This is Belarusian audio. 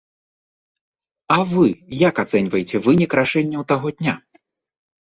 А вы як ацэньваеце вынік рашэнняў таго дня?